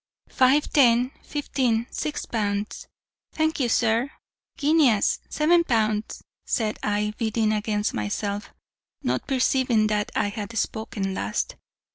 "'Five ten fifteen six pounds thank you, sir guineas' seven pounds,' said I, bidding against myself, not perceiving that I had spoken last.